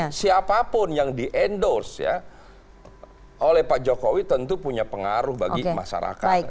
nah siapapun yang di endorse ya oleh pak jokowi tentu punya pengaruh bagi masyarakat